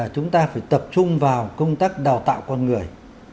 chúng ta phải tập trung vào công tác đào tạo con người